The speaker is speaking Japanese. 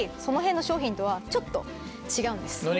その辺の商品とはちょっと違うんです。